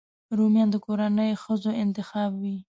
رومیان د کورنۍ ښځو انتخاب وي